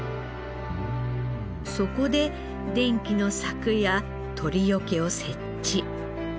そこで電気の柵や鳥よけを設置。